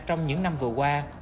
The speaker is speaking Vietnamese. trong những năm vừa qua